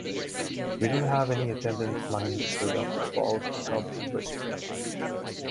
We didn't have any attendance money to build up the ball cub with.